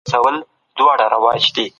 د معلوماتو له مخي سمه نتیجه اخیستل کیږي.